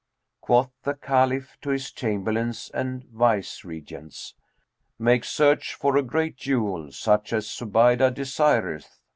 Quoth the Caliph to his Chamberlains and Viceregents, Make search for a great jewel, such as Zubaydah desireth."